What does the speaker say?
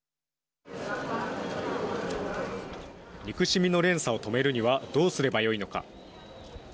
憎しみの連鎖を止めるにはどうすればよいのか。